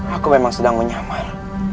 aku memang sedang menyamar